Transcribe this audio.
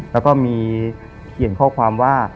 แล้วก็มีเขียนข้อความว่า